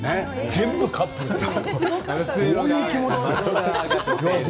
全部カップルどういう気持ち？